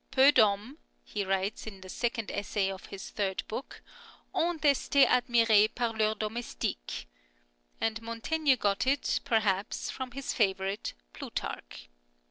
" Peu d'hommes," he writes in the second essay of his third book, " ont este admirez par leurs domestiques "; and Montaigne got it, per haps, from his favourite, Plutarch.